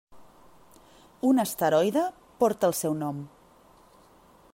Un asteroide porta el seu nom.